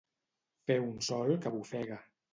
Fer un sol que bofega.